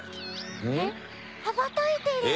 えっ？羽ばたいてる。